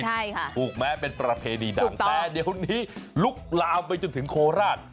ใช่หูกเมะเป็นประเภทดีดั่งแต่เดี๋ยวนี้ลุกลาลไปจนถึงโคลาต